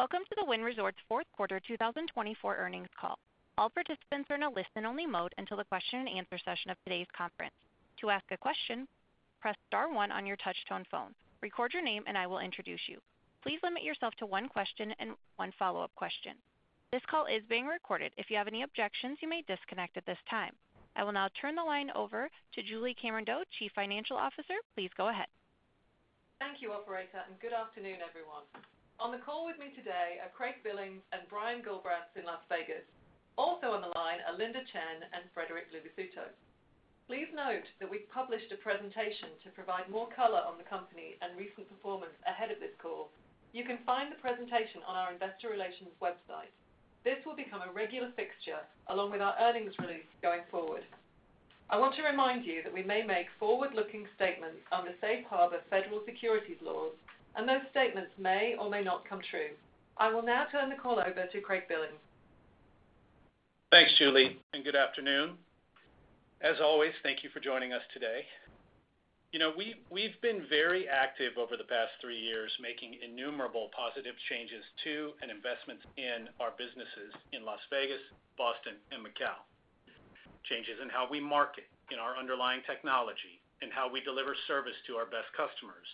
Welcome to the Wynn Resorts Q4 2024 Earnings Call. All participants are in a listen-only mode until the question-and-answer session of today's conference. To ask a question, press star one on your touch-tone phone. Record your name, and I will introduce you. Please limit yourself to one question and one follow-up question. This call is being recorded. If you have any objections, you may disconnect at this time. I will now turn the line over to Julie Cameron-Doe, Chief Financial Officer. Please go ahead. Thank you, Operator, and good afternoon, everyone. On the call with me today are Craig Billings and Brian Gullbrants, in Las Vegas. Also on the line are Linda Chen and Frederic Luvisutto. Please note that we've published a presentation to provide more color on the company and recent performance ahead of this call. You can find the presentation on our investor relations website. This will become a regular fixture along with our earnings release going forward. I want to remind you that we may make forward-looking statements under safe harbor federal securities laws, and those statements may or may not come true. I will now turn the call over to Craig Billings. Thanks, Julie, and good afternoon. As always, thank you for joining us today. You know, we've been very active over the past three years, making innumerable positive changes to and investments in our businesses in Las Vegas, Boston, and Macau. Changes in how we market, in our underlying technology, in how we deliver service to our best customers,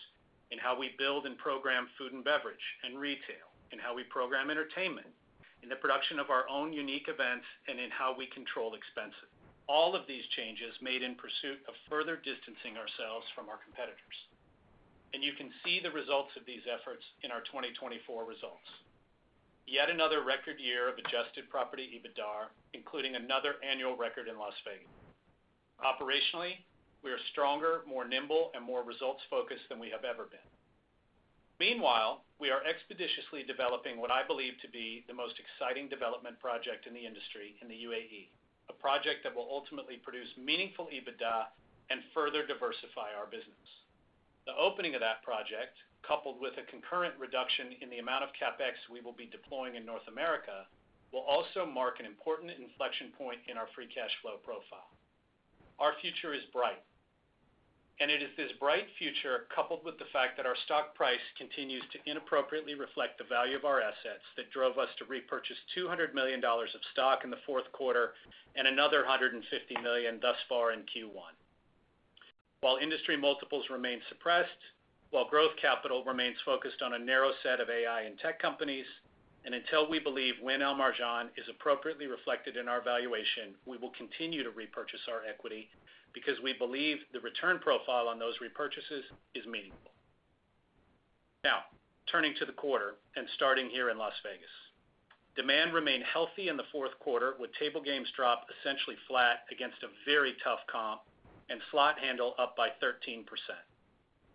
in how we build and program food and beverage and retail, in how we program entertainment, in the production of our own unique events, and in how we control expenses. All of these changes are made in pursuit of further distancing ourselves from our competitors, and you can see the results of these efforts in our 2024 results. Yet another record year of adjusted property EBITDA, including another annual record in Las Vegas. Operationally, we are stronger, more nimble, and more results-focused than we have ever been. Meanwhile, we are expeditiously developing what I believe to be the most exciting development project in the industry in the UAE, a project that will ultimately produce meaningful EBITDA and further diversify our business. The opening of that project, coupled with a concurrent reduction in the amount of CapEx we will be deploying in North America, will also mark an important inflection point in our free cash flow profile. Our future is bright, and it is this bright future, coupled with the fact that our stock price continues to inappropriately reflect the value of our assets, that drove us to repurchase $200 million of stock in the Q4 and another $150 million thus far in Q1. While industry multiples remain suppressed, while growth capital remains focused on a narrow set of AI and tech companies, and until we believe Wynn Al Marjan Island is appropriately reflected in our valuation, we will continue to repurchase our equity because we believe the return profile on those repurchases is meaningful. Now, turning to the quarter and starting here in Las Vegas. Demand remained healthy in the Q4, with table games drop essentially flat against a very tough comp and slot handle up by 13%.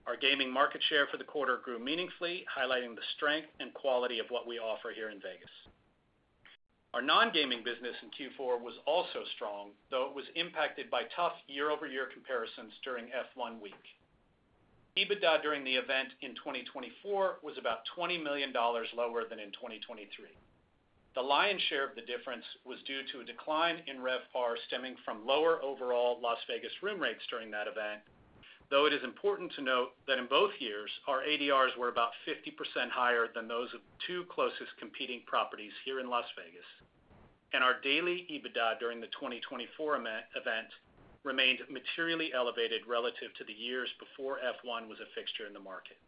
Our gaming market share for the quarter grew meaningfully, highlighting the strength and quality of what we offer here in Vegas. Our non-gaming business in Q4 was also strong, though it was impacted by tough year-over-year comparisons during F1 week. EBITDA during the event in 2024 was about $20 million lower than in 2023. The lion's share of the difference was due to a decline in RevPAR stemming from lower overall Las Vegas room rates during that event, though it is important to note that in both years, our ADRs were about 50% higher than those of two closest competing properties here in Las Vegas, and our daily EBITDA during the 2024 event remained materially elevated relative to the years before F1 was a fixture in the market.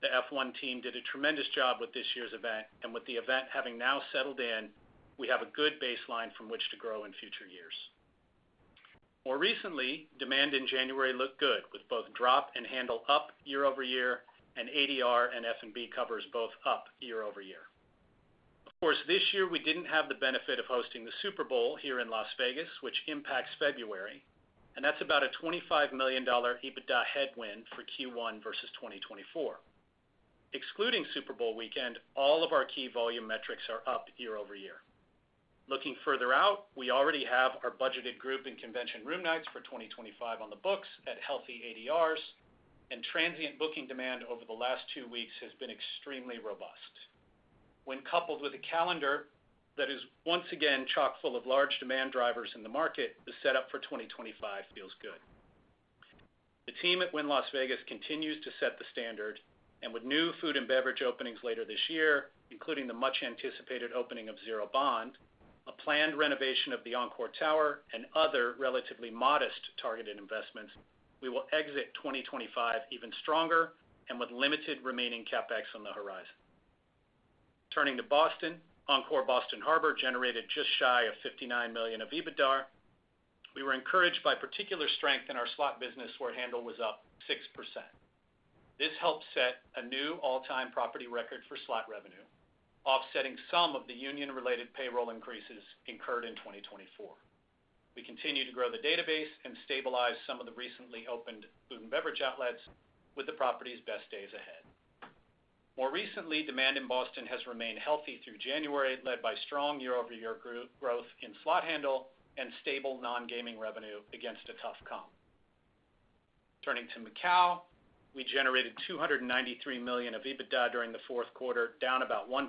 The F1 team did a tremendous job with this year's event, and with the event having now settled in, we have a good baseline from which to grow in future years. More recently, demand in January looked good, with both drop and handle up year-over-year, and ADR and F&B covers both up year-over-year. Of course, this year we didn't have the benefit of hosting the Super Bowl here in Las Vegas, which impacts February, and that's about a $25 million EBITDA headwind for Q1 versus 2024. Excluding Super Bowl weekend, all of our key volume metrics are up year-over-year. Looking further out, we already have our budgeted group and convention room nights for 2025 on the books at healthy ADRs, and transient booking demand over the last two weeks has been extremely robust. When coupled with a calendar that is once again chock-full of large demand drivers in the market, the setup for 2025 feels good. The team at Wynn Las Vegas continues to set the standard, and with new food and beverage openings later this year, including the much-anticipated opening of Zero Bond, a planned renovation of the Encore Tower, and other relatively modest targeted investments, we will exit 2025 even stronger and with limited remaining CapEx on the horizon. Turning to Boston, Encore Boston Harbor generated just shy of $59 million of EBITDA. We were encouraged by particular strength in our slot business, where handle was up 6%. This helped set a new all-time property record for slot revenue, offsetting some of the union-related payroll increases incurred in 2024. We continue to grow the database and stabilize some of the recently opened food and beverage outlets with the property's best days ahead. More recently, demand in Boston has remained healthy through January, led by strong year-over-year growth in slot handle and stable non-gaming revenue against a tough comp. Turning to Macau, we generated $293 million of EBITDA during the Q4, down about 1%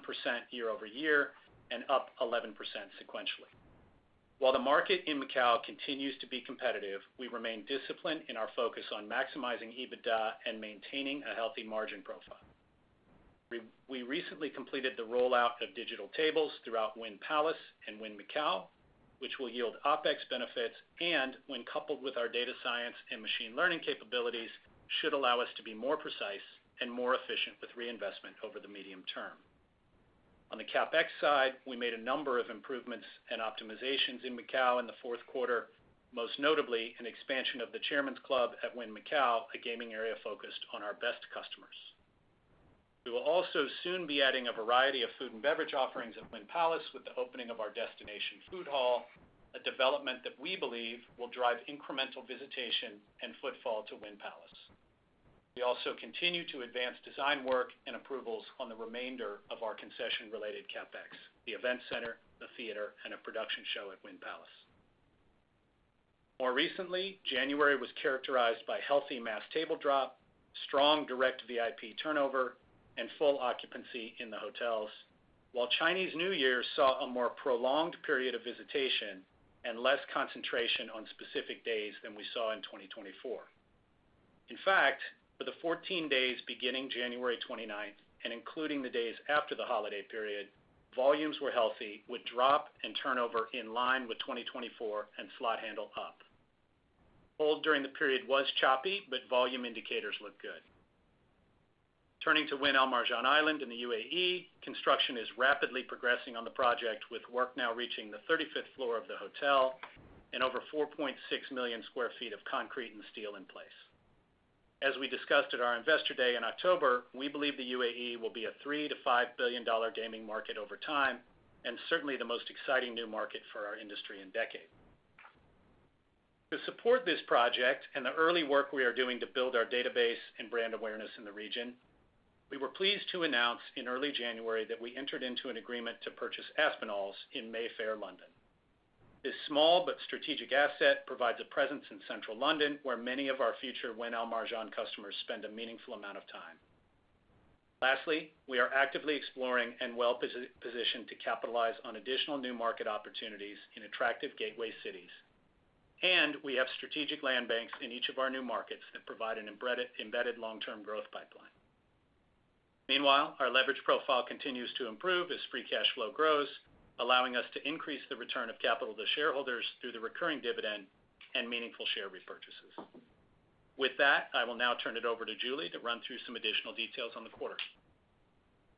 year-over-year and up 11% sequentially. While the market in Macau continues to be competitive, we remain disciplined in our focus on maximizing EBITDA and maintaining a healthy margin profile. We recently completed the rollout of digital tables throughout Wynn Palace and Wynn Macau, which will yield OpEx benefits, and when coupled with our data science and machine learning capabilities, should allow us to be more precise and more efficient with reinvestment over the medium term. On the CapEx side, we made a number of improvements and optimizations in Macau in the Q4, most notably an expansion of the Chairman's Club at Wynn Macau, a gaming area focused on our best customers. We will also soon be adding a variety of food and beverage offerings at Wynn Palace with the opening of our destination food hall, a development that we believe will drive incremental visitation and footfall to Wynn Palace. We also continue to advance design work and approvals on the remainder of our concession-related CapEx: the event center, the theater, and a production show at Wynn Palace. More recently, January was characterized by healthy mass table drop, strong direct VIP turnover, and full occupancy in the hotels, while Chinese New Year saw a more prolonged period of visitation and less concentration on specific days than we saw in 2024. In fact, for the 14 days beginning January 29th and including the days after the holiday period, volumes were healthy with drop and turnover in line with 2024 and slot handle up. Hold during the period was choppy, but volume indicators looked good. Turning to Wynn Al Marjan Island in the UAE, construction is rapidly progressing on the project, with work now reaching the 35th floor of the hotel and over 4.6 million sq ft of concrete and steel in place. As we discussed at our Investor Day in October, we believe the UAE will be a $3-$5 billion gaming market over time and certainly the most exciting new market for our industry in decades. To support this project and the early work we are doing to build our database and brand awareness in the region, we were pleased to announce in early January that we entered into an agreement to purchase Aspinall's in Mayfair, London. This small but strategic asset provides a presence in central London, where many of our future Wynn Al Marjan customers spend a meaningful amount of time. Lastly, we are actively exploring and well-positioned to capitalize on additional new market opportunities in attractive gateway cities, and we have strategic land banks in each of our new markets that provide an embedded long-term growth pipeline. Meanwhile, our leverage profile continues to improve as free cash flow grows, allowing us to increase the return of capital to shareholders through the recurring dividend and meaningful share repurchases. With that, I will now turn it over to Julie to run through some additional details on the quarter.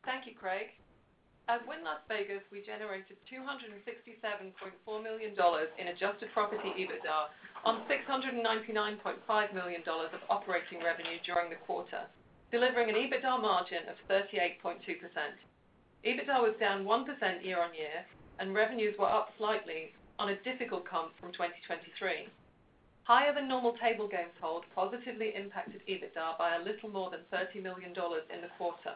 Thank you, Craig. At Wynn Las Vegas, we generated $267.4 million in adjusted property EBITDA on $699.5 million of operating revenue during the quarter, delivering an EBITDA margin of 38.2%. EBITDA was down 1% year-on-year, and revenues were up slightly on a difficult comp from 2023. Higher than normal table games hold positively impacted EBITDA by a little more than $30 million in the quarter,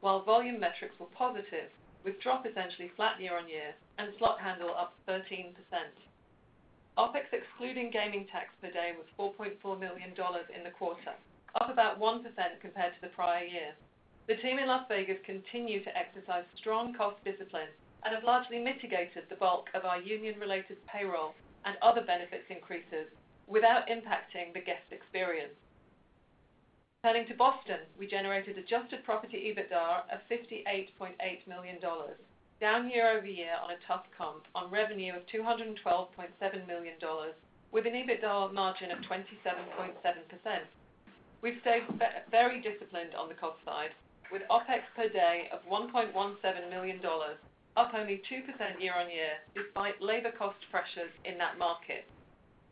while volume metrics were positive, with drop essentially flat year-on-year and slot handle up 13%. OpEx excluding gaming tax per day was $4.4 million in the quarter, up about 1% compared to the prior year. The team in Las Vegas continue to exercise strong cost discipline and have largely mitigated the bulk of our union-related payroll and other benefits increases without impacting the guest experience. Turning to Boston, we generated adjusted property EBITDA of $58.8 million, down year-over-year on a tough comp on revenue of $212.7 million, with an EBITDA margin of 27.7%. We've stayed very disciplined on the cost side, with OpEx per day of $1.17 million, up only 2% year-on-year despite labor cost pressures in that market.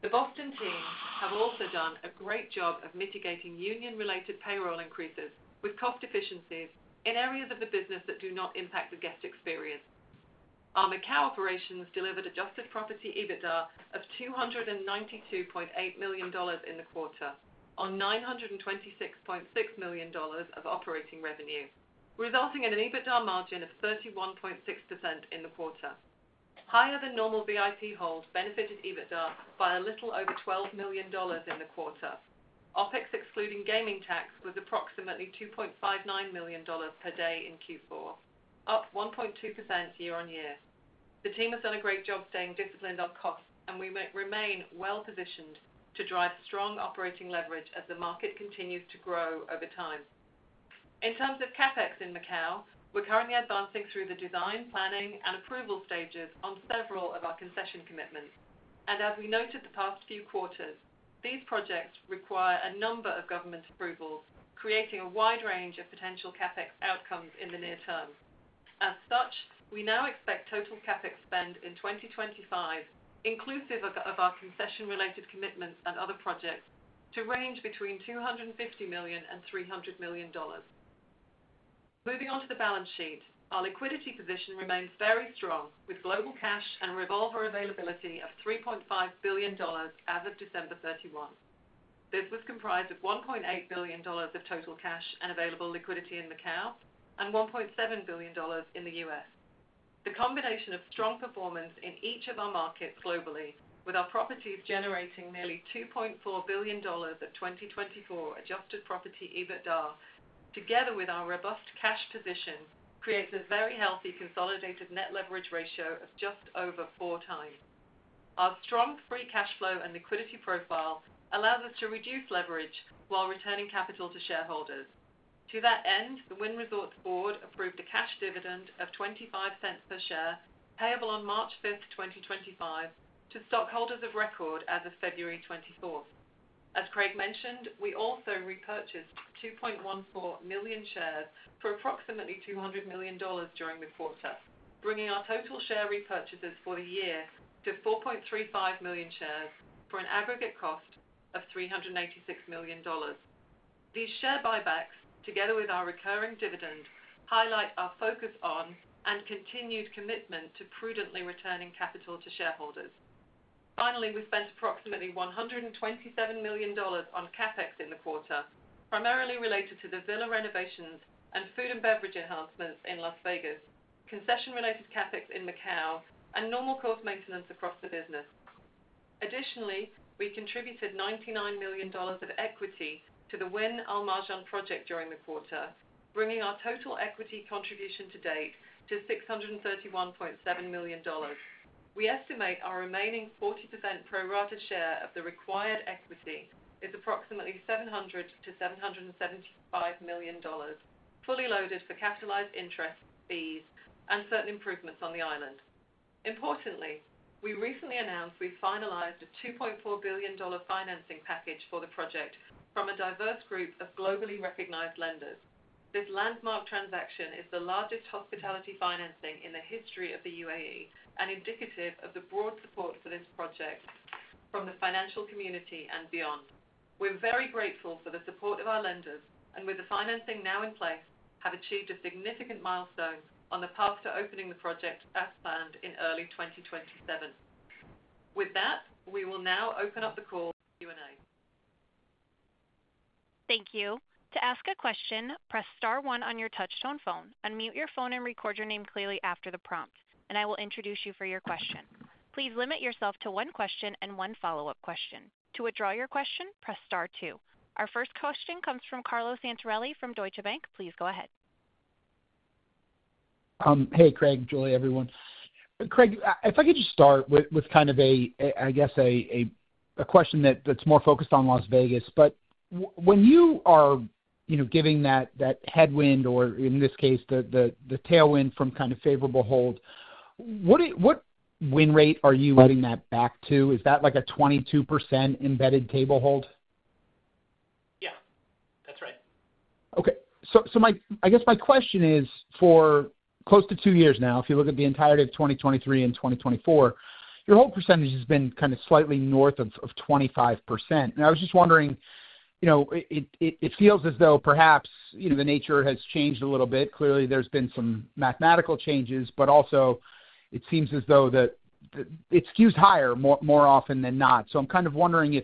The Boston team have also done a great job of mitigating union-related payroll increases with cost efficiencies in areas of the business that do not impact the guest experience. Our Macau operations delivered adjusted property EBITDA of $292.8 million in the quarter on $926.6 million of operating revenue, resulting in an EBITDA margin of 31.6% in the quarter. Higher than normal VIP holds benefited EBITDA by a little over $12 million in the quarter. OpEx excluding gaming tax was approximately $2.59 million per day in Q4, up 1.2% year-on-year. The team has done a great job staying disciplined on costs, and we remain well-positioned to drive strong operating leverage as the market continues to grow over time. In terms of CapEx in Macau, we're currently advancing through the design, planning, and approval stages on several of our concession commitments, and as we noted the past few quarters, these projects require a number of government approvals, creating a wide range of potential CapEx outcomes in the near term. As such, we now expect total CapEx spend in 2025, inclusive of our concession-related commitments and other projects, to range between $250 million and $300 million. Moving on to the balance sheet, our liquidity position remains very strong, with global cash and revolver availability of $3.5 billion as of December 31. This was comprised of $1.8 billion of total cash and available liquidity in Macau and $1.7 billion in the U.S. The combination of strong performance in each of our markets globally, with our properties generating nearly $2.4 billion at 2024 Adjusted Property EBITDA, together with our robust cash position, creates a very healthy consolidated net leverage ratio of just over four times. Our strong Free Cash Flow and liquidity profile allows us to reduce leverage while returning capital to shareholders. To that end, the Wynn Resorts Board approved a cash dividend of $0.25 per share, payable on March 5, 2025, to stockholders of record as of February 24. As Craig mentioned, we also repurchased 2.14 million shares for approximately $200 million during the quarter, bringing our total share repurchases for the year to 4.35 million shares for an aggregate cost of $386 million. These share buybacks, together with our recurring dividend, highlight our focus on and continued commitment to prudently returning capital to shareholders. Finally, we spent approximately $127 million on CapEx in the quarter, primarily related to the villa renovations and food and beverage enhancements in Las Vegas, concession-related CapEx in Macau, and normal cost maintenance across the business. Additionally, we contributed $99 million of equity to the Wynn Al Marjan Island project during the quarter, bringing our total equity contribution to date to $631.7 million. We estimate our remaining 40% pro rata share of the required equity is approximately $700-$775 million, fully loaded for capitalized interest fees and certain improvements on the island. Importantly, we recently announced we've finalized a $2.4 billion financing package for the project from a diverse group of globally recognized lenders. This landmark transaction is the largest hospitality financing in the history of the UAE and indicative of the broad support for this project from the financial community and beyond. We're very grateful for the support of our lenders, and with the financing now in place, we have achieved a significant milestone on the path to opening the project as planned in early 2027. With that, we will now open up the call for Q&A. Thank you. To ask a question, press Star 1 on your touch-tone phone. Unmute your phone and record your name clearly after the prompt, and I will introduce you for your question. Please limit yourself to one question and one follow-up question. To withdraw your question, press Star 2. Our first question comes from Carlo Santarelli from Deutsche Bank. Please go ahead. Hey, Craig, Julie, everyone. Craig, if I could just start with kind of a, I guess, a question that's more focused on Las Vegas. But when you are giving that headwind or, in this case, the tailwind from kind of favorable hold, what win rate are you letting that back to? Is that like a 22% embedded table hold? Yeah, that's right. Okay. So I guess my question is, for close to two years now, if you look at the entirety of 2023 and 2024, your hold percentage has been kind of slightly north of 25%. And I was just wondering, you know, it feels as though perhaps the nature has changed a little bit. Clearly, there's been some mathematical changes, but also it seems as though it skews higher more often than not. So I'm kind of wondering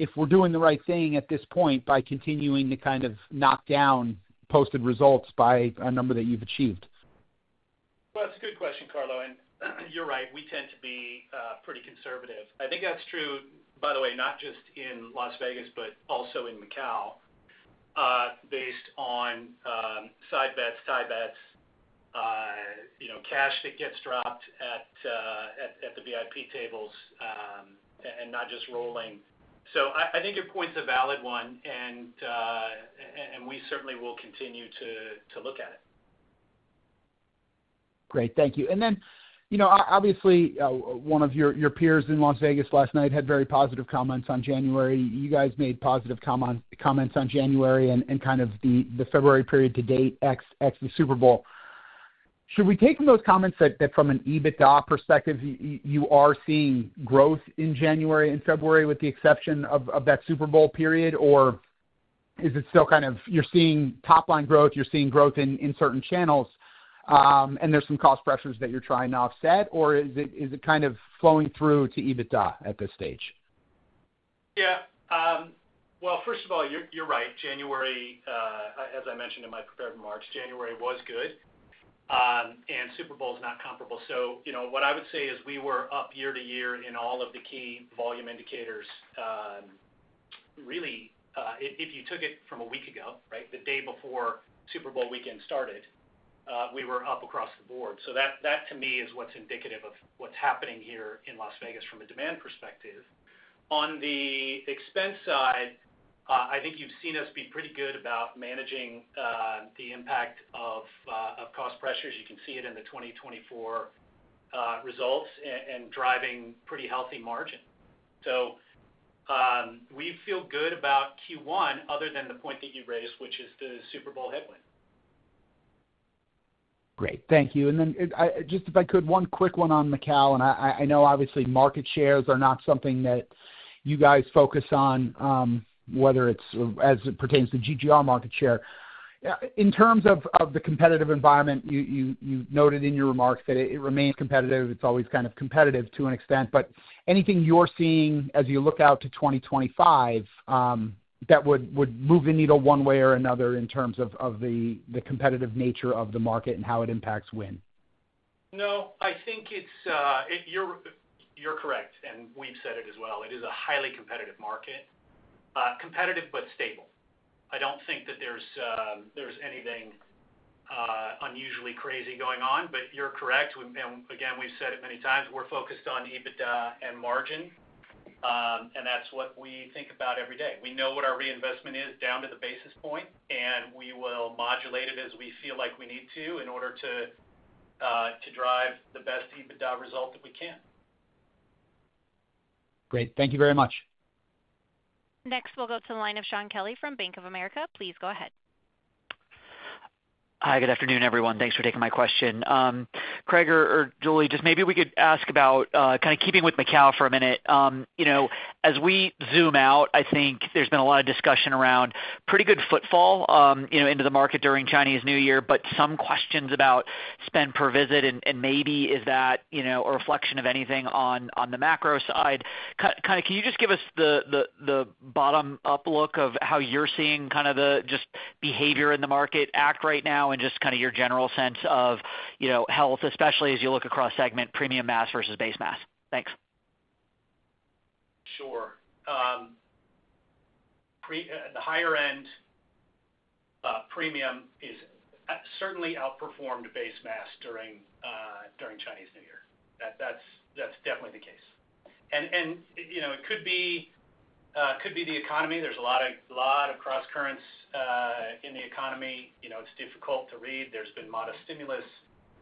if we're doing the right thing at this point by continuing to kind of knock down posted results by a number that you've achieved. That's a good question, Carlo. You're right. We tend to be pretty conservative. I think that's true, by the way, not just in Las Vegas, but also in Macau, based on side bets, tie bets, cash that gets dropped at the VIP tables, and not just rolling. I think your point's a valid one, and we certainly will continue to look at it. Great. Thank you. And then, obviously, one of your peers in Las Vegas last night had very positive comments on January. You guys made positive comments on January and kind of the February period to date, ex the Super Bowl. Should we take those comments that from an EBITDA perspective, you are seeing growth in January and February, with the exception of that Super Bowl period? Or is it still kind of you're seeing top-line growth, you're seeing growth in certain channels, and there's some cost pressures that you're trying to offset? Or is it kind of flowing through to EBITDA at this stage? Yeah, well, first of all, you're right. January, as I mentioned in my prepared remarks, January was good, and Super Bowl is not comparable, so what I would say is we were up year to year in all of the key volume indicators. Really, if you took it from a week ago, right, the day before Super Bowl weekend started, we were up across the board, so that, to me, is what's indicative of what's happening here in Las Vegas from a demand perspective. On the expense side, I think you've seen us be pretty good about managing the impact of cost pressures. You can see it in the 2024 results and driving pretty healthy margin, so we feel good about Q1 other than the point that you raised, which is the Super Bowl headwind. Great. Thank you. And then just if I could, one quick one on Macau, and I know obviously market shares are not something that you guys focus on, whether it's as it pertains to GGR market share. In terms of the competitive environment, you noted in your remarks that it remains competitive. It's always kind of competitive to an extent. But anything you're seeing as you look out to 2025 that would move the needle one way or another in terms of the competitive nature of the market and how it impacts Wynn? No. I think you're correct, and we've said it as well. It is a highly competitive market, competitive but stable. I don't think that there's anything unusually crazy going on, but you're correct. And again, we've said it many times, we're focused on EBITDA and margin, and that's what we think about every day. We know what our reinvestment is down to the basis point, and we will modulate it as we feel like we need to in order to drive the best EBITDA result that we can. Great. Thank you very much. Next, we'll go to the line of Shaun Kelley from Bank of America. Please go ahead. Hi, good afternoon, everyone. Thanks for taking my question. Craig or Julie, just maybe we could ask about kind of keeping with Macau for a minute. As we zoom out, I think there's been a lot of discussion around pretty good footfall into the market during Chinese New Year, but some questions about spend per visit and maybe is that a reflection of anything on the macro side. Kind of can you just give us the bottom-up look of how you're seeing kind of the just behavior in the market act right now and just kind of your general sense of health, especially as you look across segment, premium mass versus base mass? Thanks. Sure. The higher-end premium has certainly outperformed base mass during Chinese New Year. That's definitely the case. And it could be the economy. There's a lot of cross currents in the economy. It's difficult to read. There's been modest stimulus.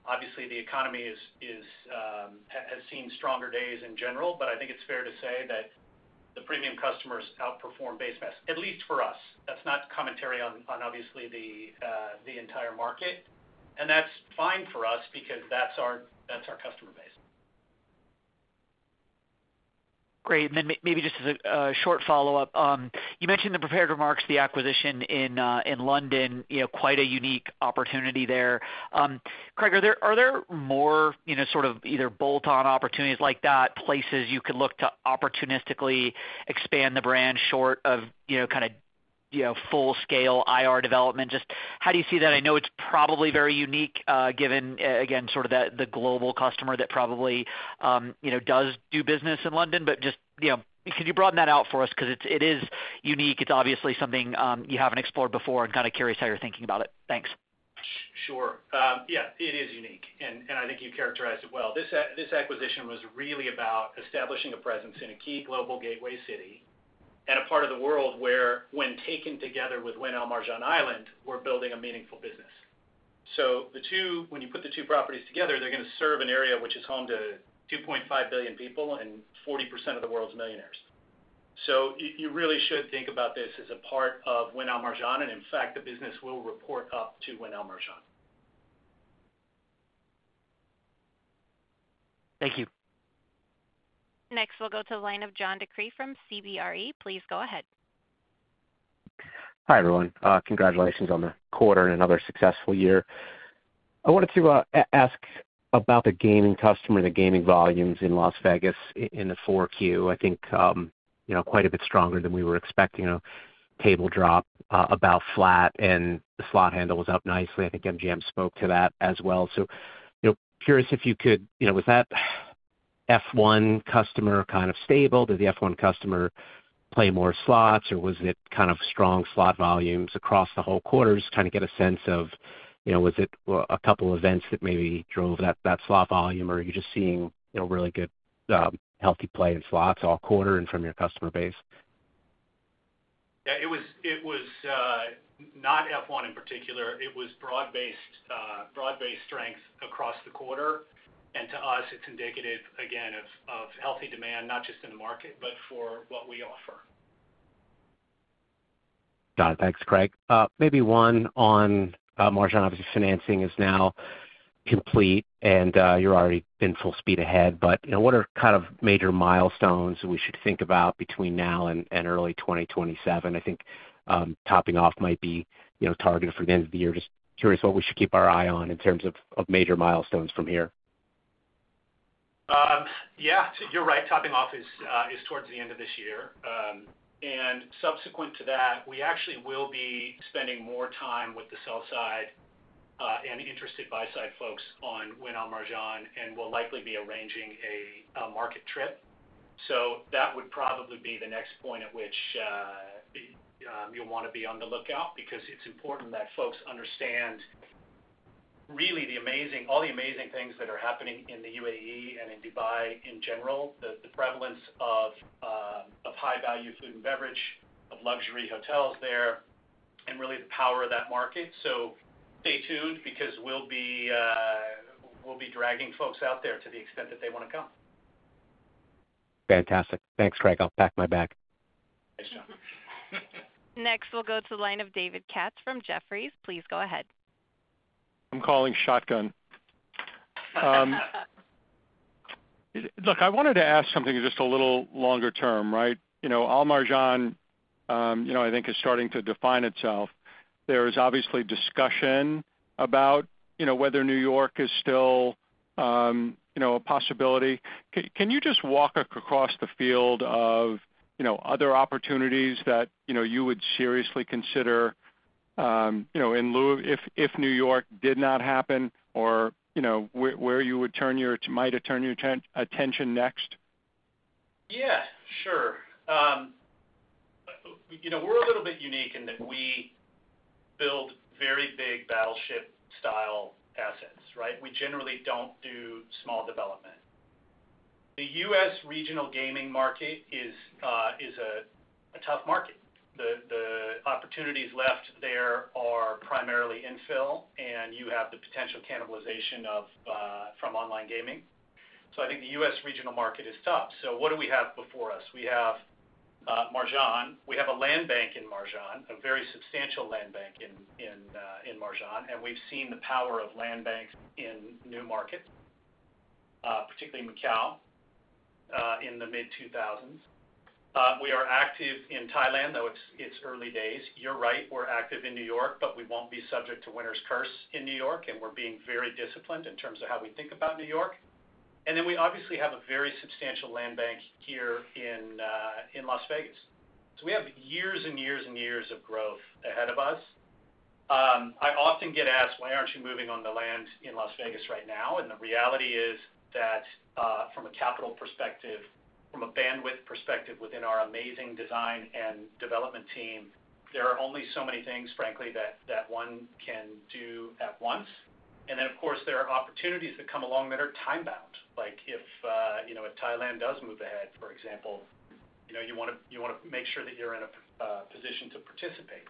Obviously, the economy has seen stronger days in general, but I think it's fair to say that the premium customers outperform base mass, at least for us. That's not commentary on obviously the entire market. And that's fine for us because that's our customer base. Great. And then maybe just as a short follow-up, you mentioned in the prepared remarks the acquisition in London, quite a unique opportunity there. Craig, are there more sort of either bolt-on opportunities like that, places you could look to opportunistically expand the brand short of kind of full-scale IR development? Just how do you see that? I know it's probably very unique given, again, sort of the global customer that probably does do business in London, but just could you broaden that out for us because it is unique? It's obviously something you haven't explored before and kind of curious how you're thinking about it. Thanks. Sure. Yeah, it is unique. And I think you characterized it well. This acquisition was really about establishing a presence in a key global gateway city and a part of the world where, when taken together with Wynn Al Marjan Island, we're building a meaningful business. So when you put the two properties together, they're going to serve an area which is home to 2.5 billion people and 40% of the world's millionaires. So you really should think about this as a part of Wynn Al Marjan and, in fact, the business will report up to Wynn Al Marjan. Thank you. Next, we'll go to the line of John DeCree from CBRE. Please go ahead. Hi everyone. Congratulations on the quarter and another successful year. I wanted to ask about the gaming customer, the gaming volumes in Las Vegas in the 4Q. I think quite a bit stronger than we were expecting. Table drop about flat and the slot handle was up nicely. I think MGM spoke to that as well. So curious if you could, was that F1 customer kind of stable? Did the F1 customer play more slots or was it kind of strong slot volumes across the whole quarters? Kind of get a sense of was it a couple of events that maybe drove that slot volume or are you just seeing really good, healthy play in slots all quarter and from your customer base? Yeah. It was not F1 in particular. It was broad-based strength across the quarter, and to us, it's indicative, again, of healthy demand, not just in the market, but for what we offer. Got it. Thanks, Craig. Maybe one on Al Marjan, obviously, financing is now complete and you're already in full speed ahead, but what are kind of major milestones that we should think about between now and early 2027? I think topping off might be targeted for the end of the year. Just curious what we should keep our eye on in terms of major milestones from here. Yeah. You're right. Topping off is towards the end of this year. And subsequent to that, we actually will be spending more time with the sell side and interested buy-side folks on Wynn Al Marjan and will likely be arranging a market trip. So that would probably be the next point at which you'll want to be on the lookout because it's important that folks understand really all the amazing things that are happening in the UAE and in Dubai in general, the prevalence of high-value food and beverage, of luxury hotels there, and really the power of that market. So stay tuned because we'll be dragging folks out there to the extent that they want to come. Fantastic. Thanks, Craig. I'll pack my bag Next, we'll go to the line of David Katz from Jefferies. Please go ahead. I'm calling shotgun. Look, I wanted to ask something just a little longer term, right? Al Marjan, I think, is starting to define itself. There is obviously discussion about whether New York is still a possibility. Can you just walk across the field of other opportunities that you would seriously consider if New York did not happen or where you would might turn your attention next? Yeah, sure. We're a little bit unique in that we build very big battleship-style assets, right? We generally don't do small development. The U.S. regional gaming market is a tough market. The opportunities left there are primarily infill, and you have the potential cannibalization from online gaming. So I think the U.S. regional market is tough. So what do we have before us? We have Marjan. We have a land bank in Marjan, a very substantial land bank in Marjan, and we've seen the power of land banks in new markets, particularly Macau, in the mid-2000s. We are active in Thailand, though it's early days. You're right. We're active in New York, but we won't be subject to winner's curse in New York, and we're being very disciplined in terms of how we think about New York. And then we obviously have a very substantial land bank here in Las Vegas. So we have years and years and years of growth ahead of us. I often get asked, "Why aren't you moving on the land in Las Vegas right now?" And the reality is that from a capital perspective, from a bandwidth perspective within our amazing design and development team, there are only so many things, frankly, that one can do at once. And then, of course, there are opportunities that come along that are time-bound. Like if Thailand does move ahead, for example, you want to make sure that you're in a position to participate.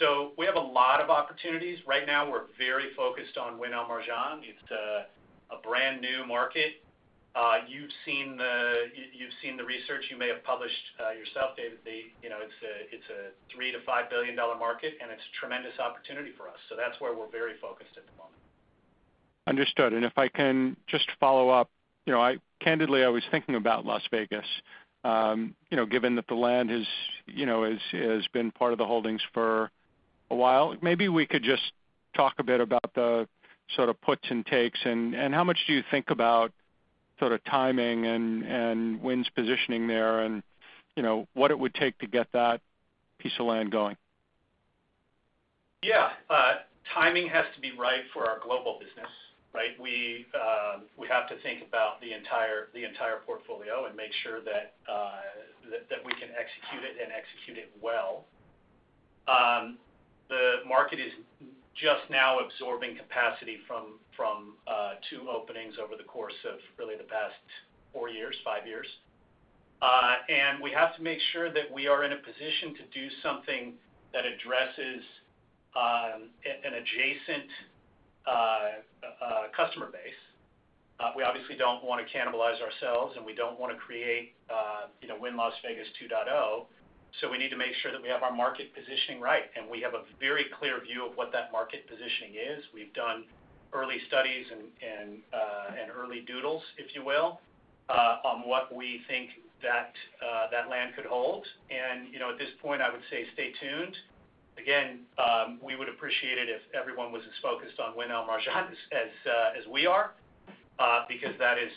So we have a lot of opportunities. Right now, we're very focused on Wynn Al Marjan. It's a brand new market. You've seen the research. You may have published yourself, David. It's a $3-$5 billion market, and it's a tremendous opportunity for us. That's where we're very focused at the moment. Understood. And if I can just follow up, candidly, I was thinking about Las Vegas. Given that the land has been part of the holdings for a while, maybe we could just talk a bit about the sort of puts and takes and how much do you think about sort of timing and Wynn's positioning there and what it would take to get that piece of land going? Yeah. Timing has to be right for our global business, right? We have to think about the entire portfolio and make sure that we can execute it and execute it well. The market is just now absorbing capacity from two openings over the course of really the past four years, five years. And we have to make sure that we are in a position to do something that addresses an adjacent customer base. We obviously don't want to cannibalize ourselves, and we don't want to create Wynn Las Vegas 2.0. So we need to make sure that we have our market positioning right. And we have a very clear view of what that market positioning is. We've done early studies and early doodles, if you will, on what we think that land could hold. And at this point, I would say stay tuned. Again, we would appreciate it if everyone was as focused on Wynn Al Marjan as we are because that is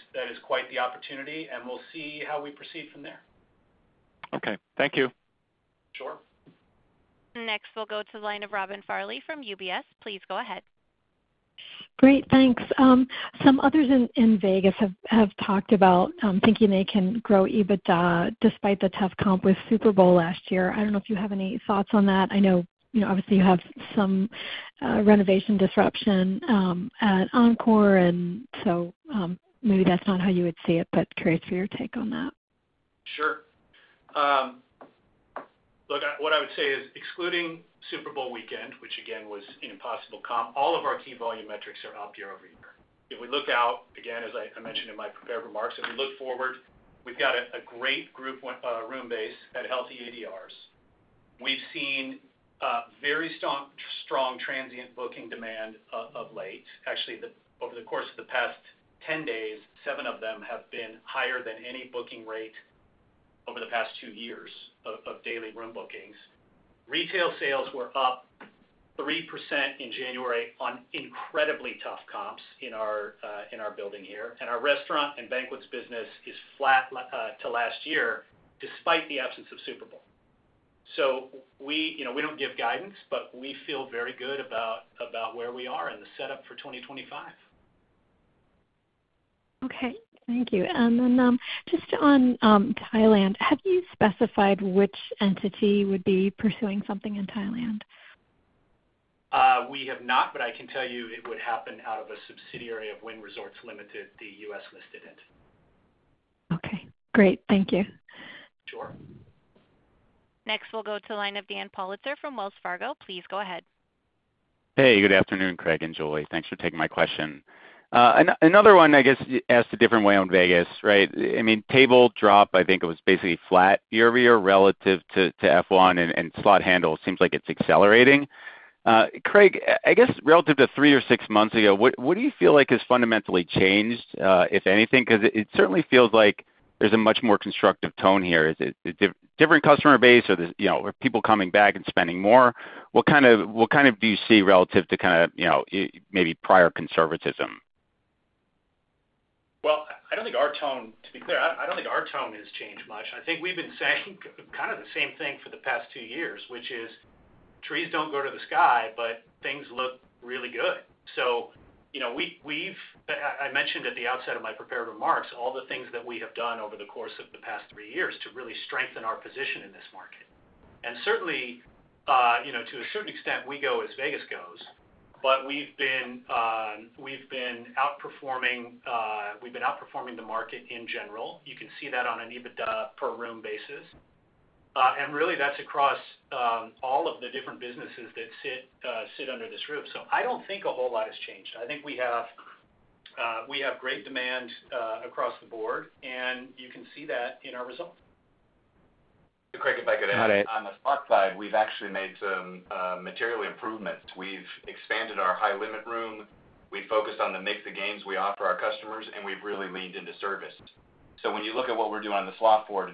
quite the opportunity, and we'll see how we proceed from there. Okay. Thank you. Sure. Next, we'll go to the line of Robin Farley from UBS. Please go ahead. Great. Thanks. Some others in Vegas have talked about thinking they can grow EBITDA despite the tough comp with Super Bowl last year. I don't know if you have any thoughts on that. I know obviously you have some renovation disruption at Encore and so maybe that's not how you would see it, but curious for your take on that. Sure. Look, what I would say is excluding Super Bowl weekend, which again was an impossible comp, all of our key volume metrics are up year over year. If we look out, again, as I mentioned in my prepared remarks, if we look forward, we've got a great room base at healthy ADRs. We've seen very strong transient booking demand of late. Actually, over the course of the past 10 days, seven of them have been higher than any booking rate over the past two years of daily room bookings. Retail sales were up 3% in January on incredibly tough comps in our building here. And our restaurant and banquets business is flat to last year despite the absence of Super Bowl. So we don't give guidance, but we feel very good about where we are and the setup for 2025. Okay. Thank you. And then just on Thailand, have you specified which entity would be pursuing something in Thailand? We have not, but I can tell you it would happen out of a subsidiary of Wynn Resorts, Limited, the U.S.-listed entity. Okay. Great. Thank you. Sure. Next, we'll go to the line of Dan Politzer from Wells Fargo. Please go ahead. Hey, good afternoon, Craig and Julie. Thanks for taking my question. Another one, I guess, asked a different way on Vegas, right? I mean, table drop, I think it was basically flat year over year relative to F1 and slot handle. It seems like it's accelerating. Craig, I guess relative to three or six months ago, what do you feel like has fundamentally changed, if anything? Because it certainly feels like there's a much more constructive tone here. Is it a different customer base or people coming back and spending more? What kind of do you see relative to kind of maybe prior conservatism? I don't think our tone, to be clear, I don't think our tone has changed much. I think we've been saying kind of the same thing for the past two years, which is, "Trees don't go to the sky, but things look really good," so I mentioned at the outset of my prepared remarks all the things that we have done over the course of the past three years to really strengthen our position in this market, and certainly, to a certain extent, we go as Vegas goes, but we've been outperforming the market in general. You can see that on an EBITDA per room basis, and really, that's across all of the different businesses that sit under this roof, so I don't think a whole lot has changed. I think we have great demand across the board, and you can see that in our results. Craig, if I could add on the slot side, we've actually made some material improvements. We've expanded our high-limit room. We've focused on the mix of games we offer our customers, and we've really leaned into service. So when you look at what we're doing on the slot floor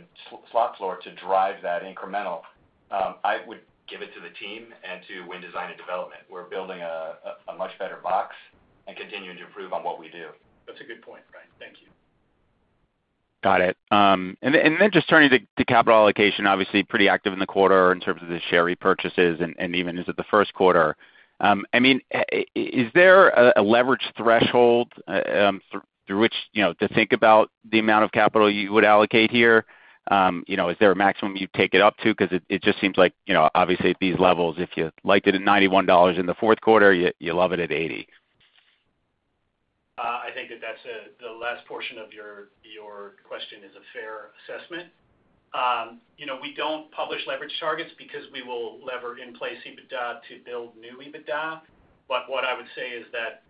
to drive that incremental, I would give it to the team and to Wynn Design and Development. We're building a much better box and continuing to improve on what we do. That's a good point, Brian. Thank you. Got it. And then just turning to capital allocation, obviously pretty active in the quarter in terms of the share repurchases and even as of the first quarter. I mean, is there a leverage threshold through which to think about the amount of capital you would allocate here? Is there a maximum you'd take it up to? Because it just seems like, obviously, at these levels, if you liked it at $91 in the Q4, you love it at $80. I think that the last portion of your question is a fair assessment. We don't publish leverage targets because we will leverage in-place EBITDA to build new EBITDA. But what I would say is that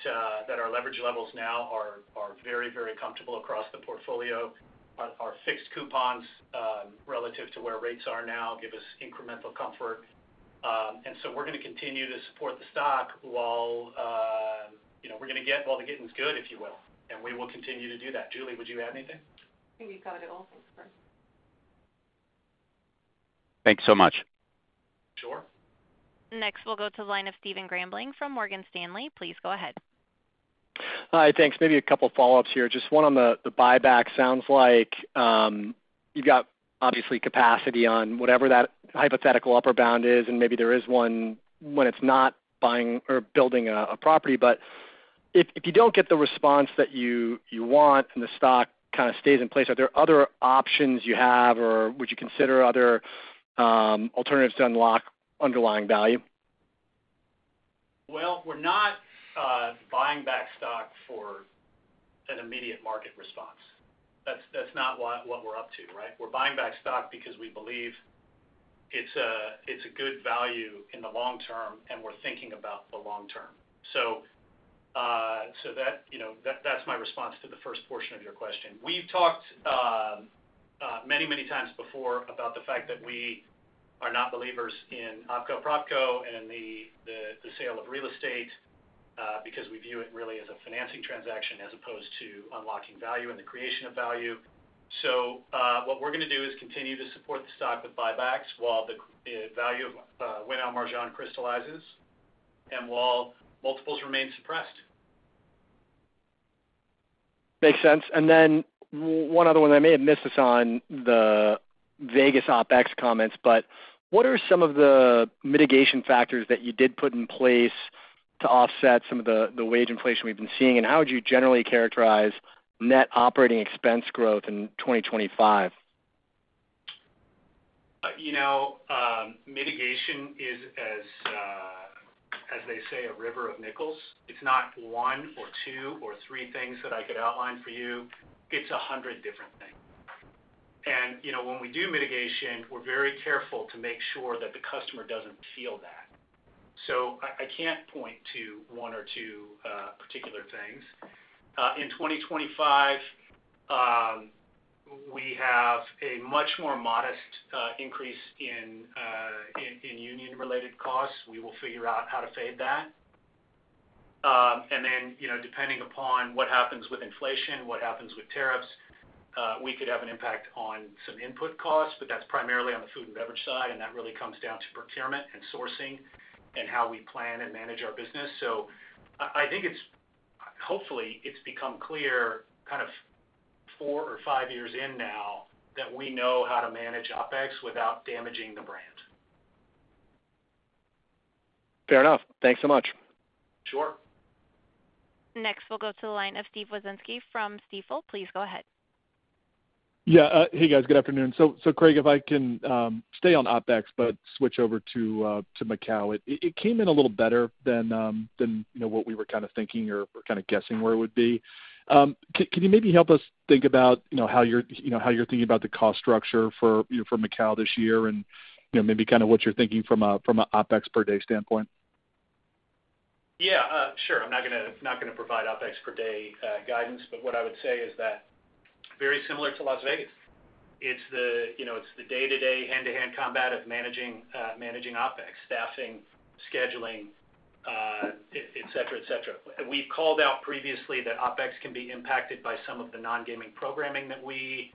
our leverage levels now are very, very comfortable across the portfolio. Our fixed coupons relative to where rates are now give us incremental comfort. And so we're going to continue to support the stock while the getting's good, if you will. And we will continue to do that. Julie, would you add anything? I think we've covered it all. Thanks, Craig. Thanks so much. Sure. Next, we'll go to the line of Stephen Grambling from Morgan Stanley. Please go ahead. Hi, thanks. Maybe a couple of follow-ups here. Just one on the buyback. Sounds like you've got obviously capacity on whatever that hypothetical upper bound is, and maybe there is one when it's not buying or building a property. But if you don't get the response that you want and the stock kind of stays in place, are there other options you have or would you consider other alternatives to unlock underlying value? We're not buying back stock for an immediate market response. That's not what we're up to, right? We're buying back stock because we believe it's a good value in the long term, and we're thinking about the long term. So that's my response to the first portion of your question. We've talked many, many times before about the fact that we are not believers in Opco-Propco and the sale of real estate because we view it really as a financing transaction as opposed to unlocking value and the creation of value. So what we're going to do is continue to support the stock with buybacks while the value of Wynn Al Marjan crystallizes and while multiples remain suppressed. Makes sense, and then one other one I may have missed this on the Vegas OpEx comments, but what are some of the mitigation factors that you did put in place to offset some of the wage inflation we've been seeing, and how would you generally characterize net operating expense growth in 2025? Mitigation is, as they say, a river of nickels. It's not one or two or three things that I could outline for you. It's a hundred different things, and when we do mitigation, we're very careful to make sure that the customer doesn't feel that. So I can't point to one or two particular things. In 2025, we have a much more modest increase in union-related costs. We will figure out how to fade that, and then depending upon what happens with inflation, what happens with tariffs, we could have an impact on some input costs, but that's primarily on the food and beverage side, and that really comes down to procurement and sourcing and how we plan and manage our business, so I think hopefully it's become clear kind of four or five years in now that we know how to manage OpEx without damaging the brand. Fair enough. Thanks so much. Sure. Next, we'll go to the line of Steve Wieczynski from Stifel. Please go ahead. Yeah. Hey, guys. Good afternoon. So Craig, if I can stay on OpEx but switch over to Macau, it came in a little better than what we were kind of thinking or kind of guessing where it would be. Can you maybe help us think about how you're thinking about the cost structure for Macau this year and maybe kind of what you're thinking from an OpEx per day standpoint? Yeah. Sure. I'm not going to provide OpEx per day guidance, but what I would say is that very similar to Las Vegas. It's the day-to-day hand-to-hand combat of managing OpEx, staffing, scheduling, etc., etc. We've called out previously that OpEx can be impacted by some of the non-gaming programming that we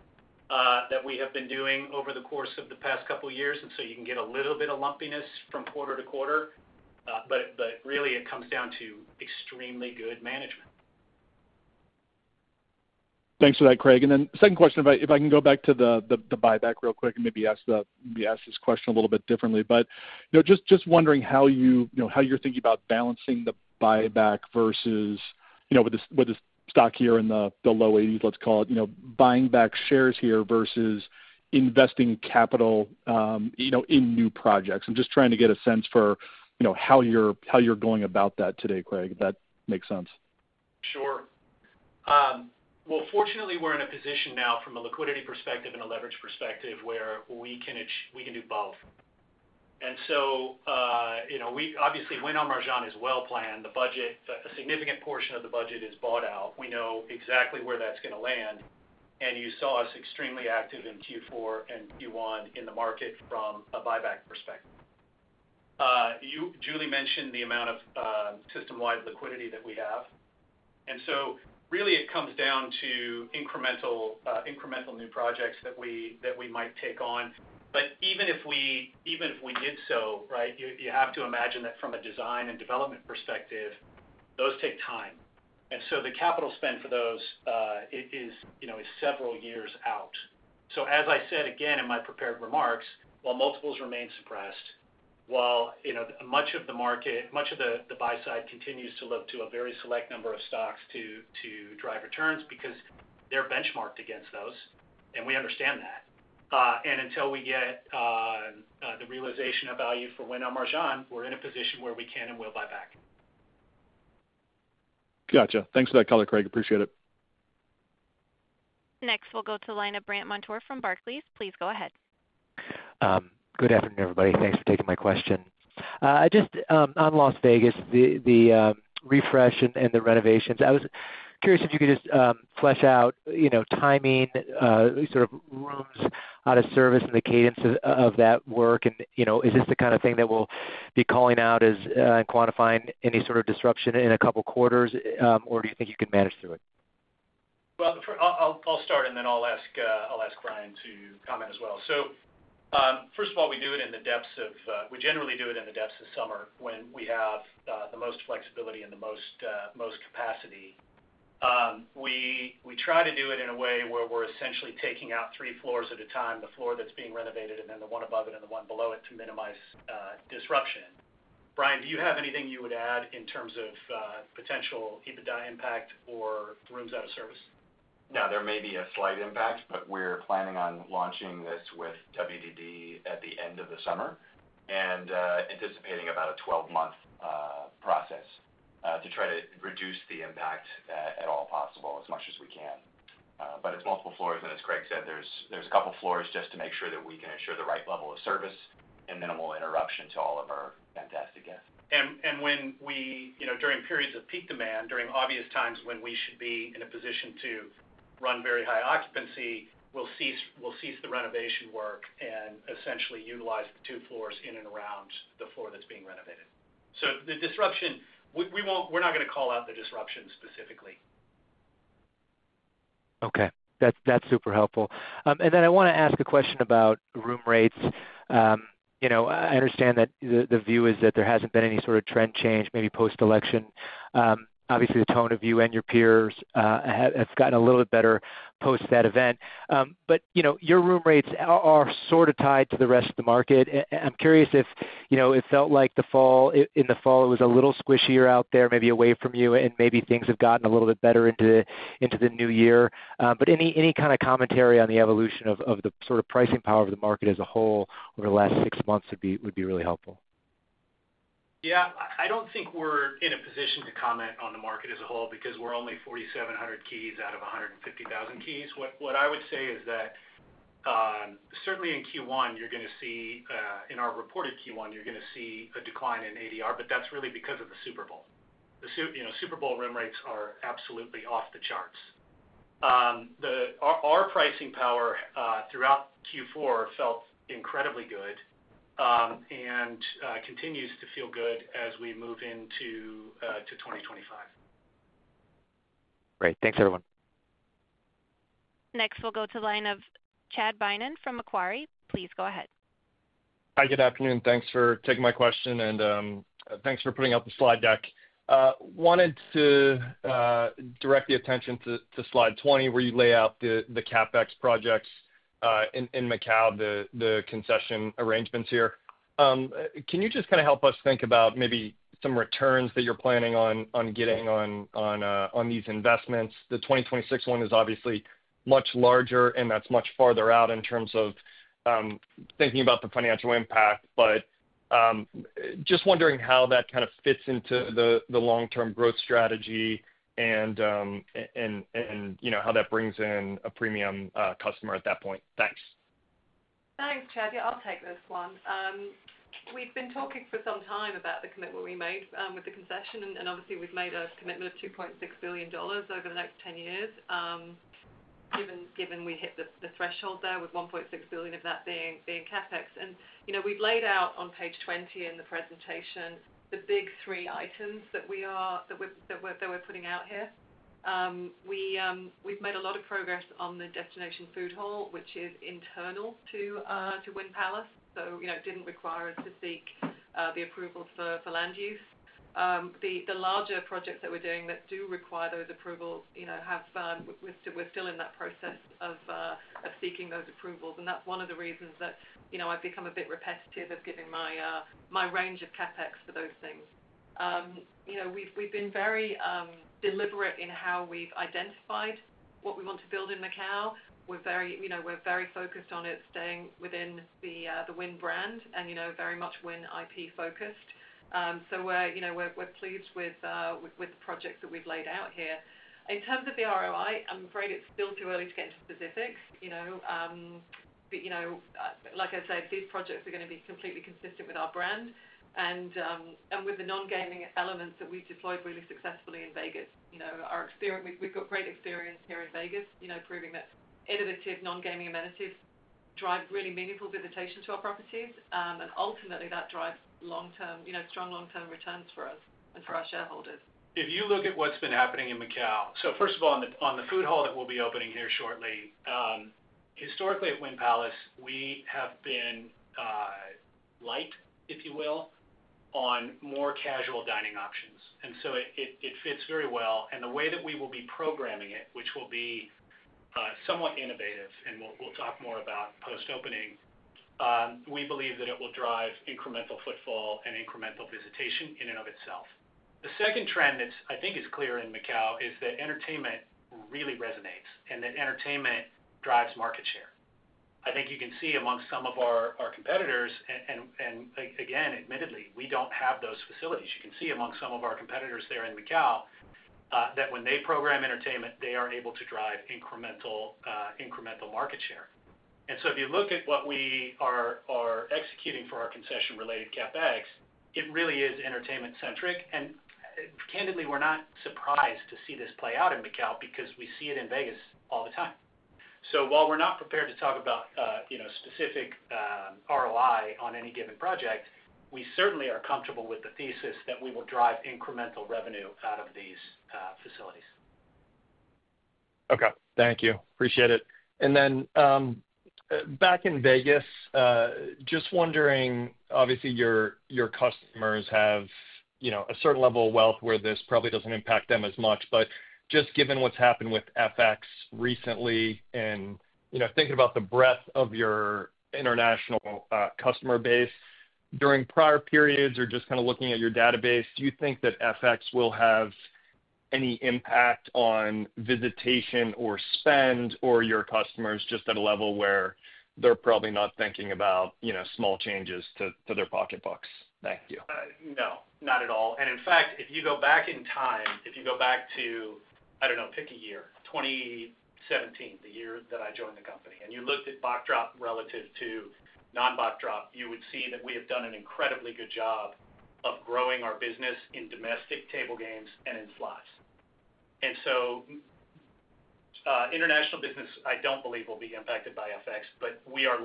have been doing over the course of the past couple of years. And so you can get a little bit of lumpiness from quarter to quarter, but really it comes down to extremely good management. Thanks for that, Craig. And then second question, if I can go back to the buyback real quick and maybe ask this question a little bit differently, but just wondering how you're thinking about balancing the buyback versus with the stock here in the low 80s, let's call it, buying back shares here versus investing capital in new projects. I'm just trying to get a sense for how you're going about that today, Craig. If that makes sense. Sure. Well, fortunately, we're in a position now from a liquidity perspective and a leverage perspective where we can do both. And so obviously, Wynn Al Marjan Island is well planned. A significant portion of the budget is bought out. We know exactly where that's going to land. And you saw us extremely active in Q4 and Q1 in the market from a buyback perspective. Julie mentioned the amount of system-wide liquidity that we have. And so really it comes down to incremental new projects that we might take on. But even if we did so, right, you have to imagine that from a design and development perspective, those take time. And so the capital spend for those is several years out. So as I said again in my prepared remarks, while multiples remain suppressed, while much of the market, much of the buy side continues to look to a very select number of stocks to drive returns because they're benchmarked against those, and we understand that. And until we get the realization of value for Wynn Al Marjan, we're in a position where we can and will buy back. Gotcha. Thanks for that color, Craig. Appreciate it. Next, we'll go to the line of Brandt Montour from Barclays. Please go ahead. Good afternoon, everybody. Thanks for taking my question. Just on Las Vegas, the refresh and the renovations, I was curious if you could just flesh out timing, sort of rooms out of service and the cadence of that work. And is this the kind of thing that we'll be calling out and quantifying any sort of disruption in a couple of quarters, or do you think you can manage through it? I'll start, and then I'll ask Brian to comment as well, so first of all, we generally do it in the depths of summer when we have the most flexibility and the most capacity. We try to do it in a way where we're essentially taking out three floors at a time, the floor that's being renovated, and then the one above it and the one below it to minimize disruption. Brian, do you have anything you would add in terms of potential EBITDA impact or rooms out of service? No, there may be a slight impact, but we're planning on launching this with WDD at the end of the summer and anticipating about a 12-month process to try to reduce the impact at all possible as much as we can. But it's multiple floors, and as Craig said, there's a couple of floors just to make sure that we can ensure the right level of service and minimal interruption to all of our fantastic guests. When we during periods of peak demand, during obvious times when we should be in a position to run very high occupancy, we'll cease the renovation work and essentially utilize the two floors in and around the floor that's being renovated. The disruption, we're not going to call out the disruption specifically. Okay. That's super helpful. And then I want to ask a question about room rates. I understand that the view is that there hasn't been any sort of trend change, maybe post-election. Obviously, the tone of you and your peers has gotten a little bit better post-that event. But your room rates are sort of tied to the rest of the market. I'm curious if it felt like in the fall it was a little squishier out there, maybe away from you, and maybe things have gotten a little bit better into the new year. But any kind of commentary on the evolution of the sort of pricing power of the market as a whole over the last six months would be really helpful. Yeah. I don't think we're in a position to comment on the market as a whole because we're only 4,700 keys out of 150,000 keys. What I would say is that certainly in Q1, you're going to see in our reported Q1, you're going to see a decline in ADR, but that's really because of the Super Bowl. The Super Bowl room rates are absolutely off the charts. Our pricing power throughout Q4 felt incredibly good and continues to feel good as we move into 2025. Great. Thanks, everyone. Next, we'll go to the line of Chad Beynon from Macquarie. Please go ahead. Hi, good afternoon. Thanks for taking my question, and thanks for putting out the slide deck. Wanted to direct the attention to slide 20, where you lay out the CapEx projects in Macau, the concession arrangements here. Can you just kind of help us think about maybe some returns that you're planning on getting on these investments? The 2026 one is obviously much larger, and that's much farther out in terms of thinking about the financial impact, but just wondering how that kind of fits into the long-term growth strategy and how that brings in a premium customer at that point. Thanks. Thanks, Chad. Yeah, I'll take this one. We've been talking for some time about the commitment we made with the concession, and obviously, we've made a commitment of $2.6 billion over the next 10 years given we hit the threshold there with $1.6 billion of that being CapEx, and we've laid out on page 20 in the presentation the big three items that we're putting out here. We've made a lot of progress on the destination food hall, which is internal to Wynn Palace, so it didn't require us to seek the approvals for land use. The larger projects that we're doing that do require those approvals, we're still in that process of seeking those approvals, and that's one of the reasons that I've become a bit repetitive of giving my range of CapEx for those things. We've been very deliberate in how we've identified what we want to build in Macau. We're very focused on it staying within the Wynn brand and very much Wynn IP focused, so we're pleased with the projects that we've laid out here. In terms of the ROI, I'm afraid it's still too early to get into specifics, but like I said, these projects are going to be completely consistent with our brand and with the non-gaming elements that we've deployed really successfully in Vegas. We've got great experience here in Vegas proving that innovative non-gaming amenities drive really meaningful visitation to our properties, and ultimately, that drives strong long-term returns for us and for our shareholders. If you look at what's been happening in Macau, so first of all, on the food hall that we'll be opening here shortly, historically at Wynn Palace, we have been light, if you will, on more casual dining options. And so it fits very well. And the way that we will be programming it, which will be somewhat innovative, and we'll talk more about post-opening, we believe that it will drive incremental footfall and incremental visitation in and of itself. The second trend that I think is clear in Macau is that entertainment really resonates and that entertainment drives market share. I think you can see among some of our competitors, and again, admittedly, we don't have those facilities. You can see among some of our competitors there in Macau that when they program entertainment, they are able to drive incremental market share. And so if you look at what we are executing for our concession-related CapEx, it really is entertainment-centric. And candidly, we're not surprised to see this play out in Macau because we see it in Vegas all the time. So while we're not prepared to talk about specific ROI on any given project, we certainly are comfortable with the thesis that we will drive incremental revenue out of these facilities. Okay. Thank you. Appreciate it. And then back in Vegas, just wondering, obviously, your customers have a certain level of wealth where this probably doesn't impact them as much, but just given what's happened with FX recently and thinking about the breadth of your international customer base during prior periods or just kind of looking at your database, do you think that FX will have any impact on visitation or spend or your customers just at a level where they're probably not thinking about small changes to their pocketbooks? Thank you. No. Not at all. And in fact, if you go back in time, if you go back to, I don't know, pick a year, 2017, the year that I joined the company, and you looked at box drop relative to non-box drop, you would see that we have done an incredibly good job of growing our business in domestic table games and in slots. And so international business, I don't believe will be impacted by FX, but we are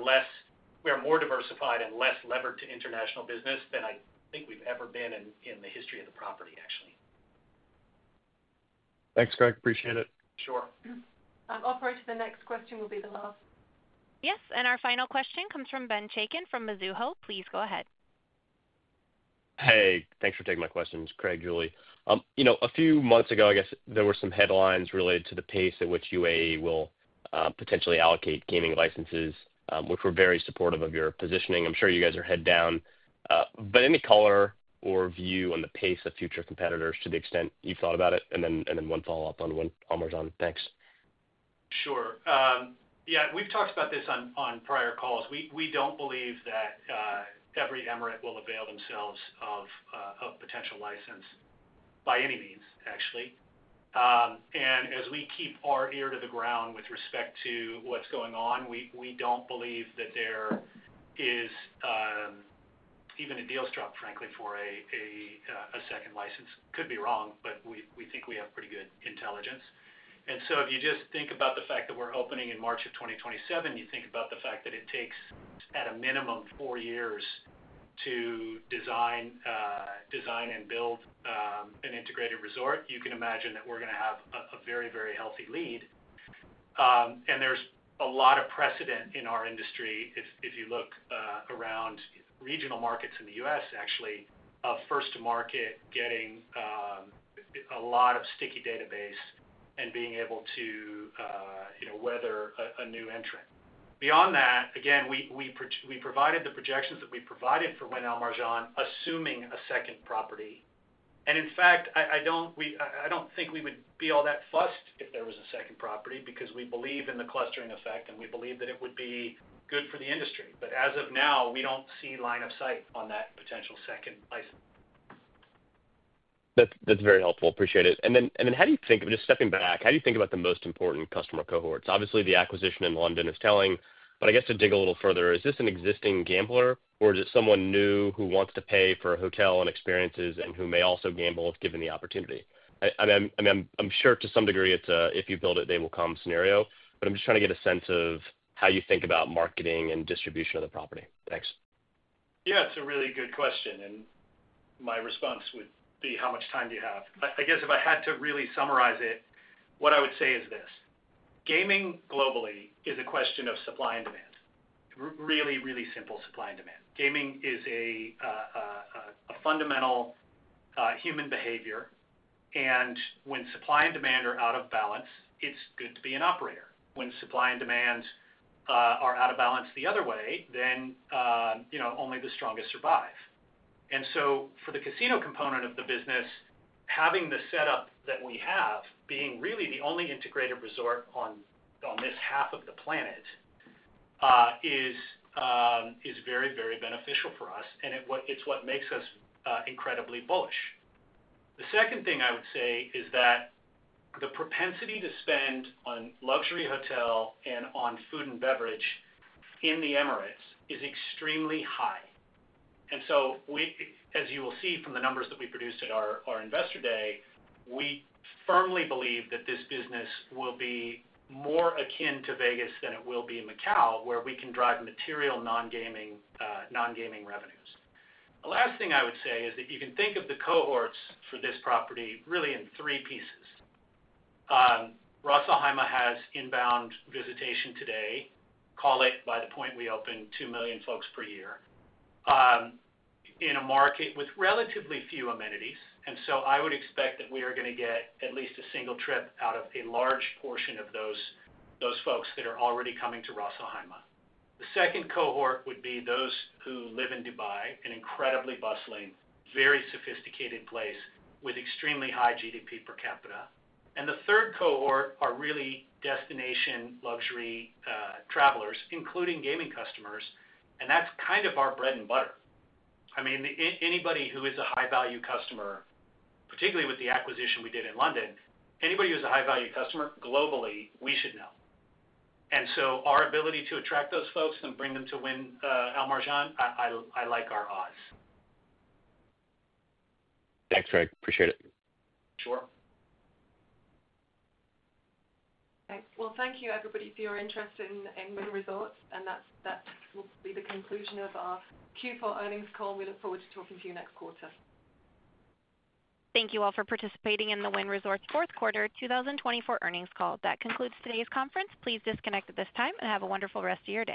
more diversified and less levered to international business than I think we've ever been in the history of the property, actually. Thanks, Craig. Appreciate it. Sure. I'll throw to the next question. Will be the last. Yes. And our final question comes from Ben Chaiken from Mizuho. Please go ahead. Hey. Thanks for taking my questions, Craig, Julie. A few months ago, I guess there were some headlines related to the pace at which UAE will potentially allocate gaming licenses, which were very supportive of your positioning. I'm sure you guys are head down. But any color or view on the pace of future competitors to the extent you've thought about it? And then one follow-up on Wynn Al Marjan. Thanks. Sure. Yeah. We've talked about this on prior calls. We don't believe that every emirate will avail themselves of a potential license by any means, actually. And as we keep our ear to the ground with respect to what's going on, we don't believe that there is even a deal struck, frankly, for a second license. Could be wrong, but we think we have pretty good intelligence. And so if you just think about the fact that we're opening in March of 2027, you think about the fact that it takes at a minimum four years to design and build an integrated resort, you can imagine that we're going to have a very, very healthy lead. And there's a lot of precedent in our industry if you look around regional markets in the U.S., actually, of first-to-market getting a lot of sticky database and being able to weather a new entrant. Beyond that, again, we provided the projections that we provided for Wynn Al Marjan, assuming a second property. And in fact, I don't think we would be all that fussed if there was a second property because we believe in the clustering effect, and we believe that it would be good for the industry. But as of now, we don't see line of sight on that potential second license. That's very helpful. Appreciate it. And then how do you think of just stepping back, how do you think about the most important customer cohorts? Obviously, the acquisition in London is telling, but I guess to dig a little further, is this an existing gambler, or is it someone new who wants to pay for a hotel and experiences and who may also gamble if given the opportunity? I mean, I'm sure to some degree it's a "if you build it, they will come" scenario, but I'm just trying to get a sense of how you think about marketing and distribution of the property. Thanks. Yeah. It's a really good question. And my response would be how much time do you have? I guess if I had to really summarize it, what I would say is this: gaming globally is a question of supply and demand. Really, really simple supply and demand. Gaming is a fundamental human behavior. And when supply and demand are out of balance, it's good to be an operator. When supply and demand are out of balance the other way, then only the strongest survive. And so for the casino component of the business, having the setup that we have being really the only integrated resort on this half of the planet is very, very beneficial for us, and it's what makes us incredibly bullish. The second thing I would say is that the propensity to spend on luxury hotel and on food and beverage in the Emirates is extremely high. And so as you will see from the numbers that we produced at our Investor Day, we firmly believe that this business will be more akin to Vegas than it will be in Macau, where we can drive material non-gaming revenues. The last thing I would say is that you can think of the cohorts for this property really in three pieces. Ras Al Khaimah has inbound visitation today. Call it by the point we open 2 million folks per year in a market with relatively few amenities. And so I would expect that we are going to get at least a single trip out of a large portion of those folks that are already coming to Ras Al Khaimah. The second cohort would be those who live in Dubai, an incredibly bustling, very sophisticated place with extremely high GDP per capita. And the third cohort are really destination luxury travelers, including gaming customers. And that's kind of our bread and butter. I mean, anybody who is a high-value customer, particularly with the acquisition we did in London, anybody who is a high-value customer globally, we should know. And so our ability to attract those folks and bring them to Wynn Al Marjan, I like our odds. Thanks, Craig. Appreciate it. Sure. Thank you, everybody, for your interest in Wynn Resorts. That will be the conclusion of our Q4 Earnings Call. We look forward to talking to you next quarter. Thank you all for participating in the Wynn Resorts Q4 2024 Earnings Call. That concludes today's conference. Please disconnect at this time and have a wonderful rest of your day.